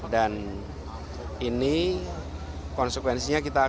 dan ini konsekuensinya kita akan